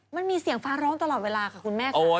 มันมีเสียงฟ้าร้องตลอดเวลาค่ะคุณแม่ค่ะ